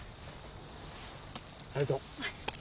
ありがとう。